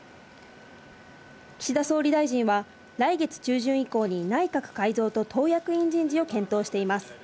岸田総理大臣は来月中旬以降に内閣改造と党役員人事を検討しています。